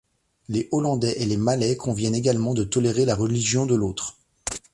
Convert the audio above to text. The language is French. Les Hollandais et les Malais conviennent également de tolérer la religion de l'autre.